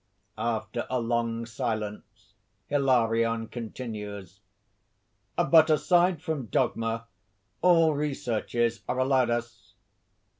(After a long silence Hilarion continues:) "But aside from dogma, all researches are allowed us.